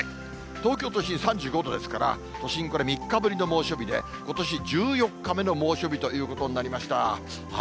東京都心３５度ですから、都心、これ、３日ぶりの猛暑日で、ことし１４日目の猛暑日ということになりました。